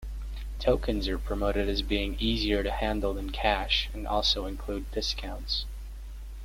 Tokens are promoted as being easier to handle than cash, and also include discounts.